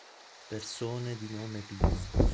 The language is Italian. Persone di nome Pino